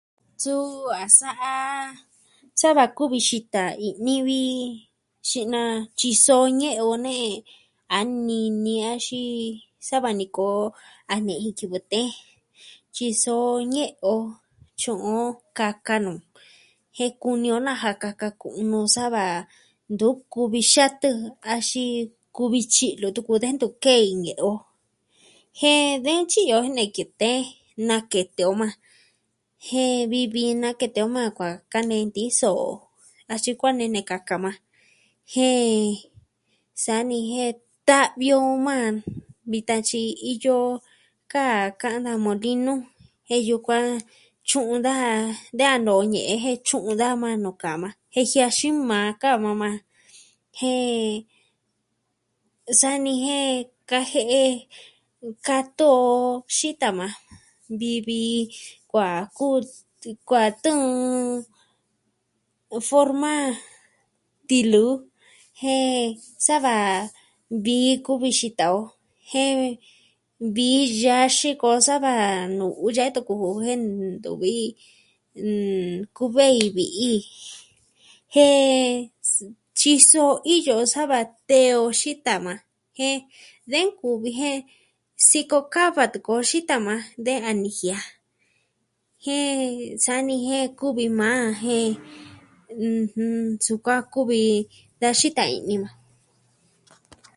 Suu a sa'a sava kuvi xita iin ni vi, xinaa tyiso ñe'e o, ñe'e. A nini axin sava nikoo a ni'i ji kivɨ tee. Tyiso ñe'e o, tyu'uin o kaka nuu jen kuni o naja kaka kuun nuu sava ntu kuvi xa tɨɨn, axin kuvi tyi'lo tuku de ntu ke'in ñe'e o jen de ntyi'yo jo ne kete, nakete o maa ja, jen vii vii nakete o maa kuaa kanei tisoo. Axin kuaa nene kaka maa jen sa'a ni jen ta'vi o maa vitan tyi iyo kaa ka'an da molinu jen yukuan tyu'un daja, de a noo ñe'e jen tyu'un daa maa noo ka maa. Jen jiaxii maa ka va maa jen sa'a ni jen kaje'e kato'o xita maa vii vii kuaa tɨɨn forma tiluu jen sava vii kuvi xita o jen vii yaxin koo saa va nuu ya e tuku jen ntuvi. Nkuvei vi'i. Jen tyiso iyo sava tee o xita maa jen de nkuvi jen sikokava tuku o xita maa de a nijia Jen, saa ni jen kuvi maa jen sukuan kuvi da xita i'ni maa.